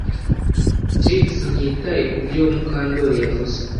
Trix ntiyitaye kubyo Mukandoli yavuze